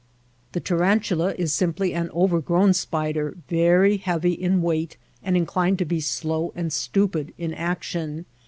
The taran tula is simply an overgrown spider, very heavy in weight, and inclined to be slow and stupid in action.